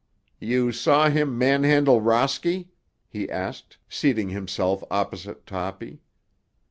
"You saw him manhandle Rosky?" he asked, seating himself opposite Toppy.